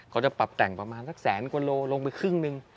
เขาจะปรับแต่งประมาณสักแสนกว่าโลลงไปครึ่งหนึ่ง